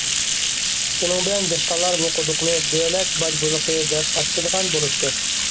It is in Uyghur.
شۇنىڭ بىلەن دېھقانلار بۇ قۇدۇقنى‹‹ دۆلەت باج بۇلىقى›› دەپ ئاتىشىدىغان بولۇشتى.